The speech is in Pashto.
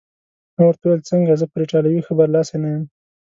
ما ورته وویل: څنګه، زه پر ایټالوي ښه برلاسی نه یم؟